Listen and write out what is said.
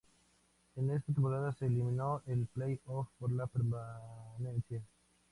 En esta temporada se eliminó el play-off por la permanencia.